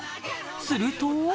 すると！